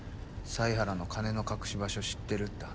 犀原の金の隠し場所知ってるって話。